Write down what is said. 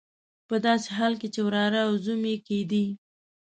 په داسې حال کې چې وراره او زوم یې کېدی.